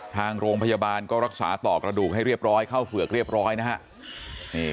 ทางโรงพยาบาลก็รักษาต่อกระดูกให้เรียบร้อยเข้าเฝือกเรียบร้อยนะฮะ